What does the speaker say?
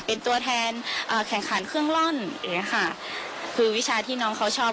เป็นตัวแทนแข่งขันเครื่องร่อนคือวิชาที่น้องเขาชอบ